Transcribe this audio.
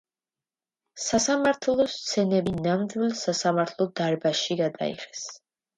სასამართლოს სცენები ნამდვილ სასამართლო დარბაზში გადაიღეს.